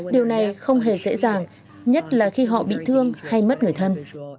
điều này không hề dễ dàng nhất là khi họ bị thương hay mất người thân